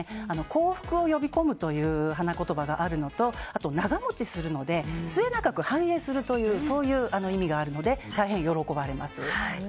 幸福を呼び込むという花言葉があるのとあと長持ちするので末永く繁栄するというそういう意味があるので大変喜ばれます。